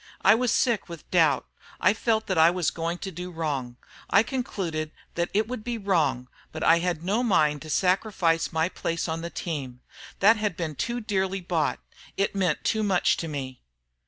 I was sick with doubt. I felt that I was going to do wrong. I concluded that it would be wrong, but I had no mind to sacrifice my place on the team. That had been too dearly bought. It meant too much to me."